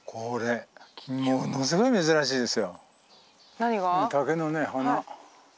何が？